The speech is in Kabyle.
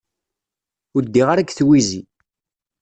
Ur ddiɣ ara deg twizi.